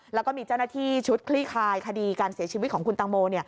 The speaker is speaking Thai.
แล้วก็มีเจ้าหน้าที่ชุดคลี่คายคดีการเสียชีวิตของคุณตังโม